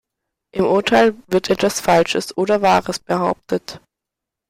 Im Urteil wird etwas Falsches oder Wahres behauptet.